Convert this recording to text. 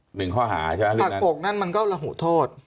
ใช่มั้ยผลักอกนั่นมันก็ละหุโทษ